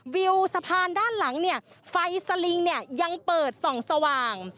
วิวสะพานด้านหลังไฟสลิงยังเปิดส่องสว่าง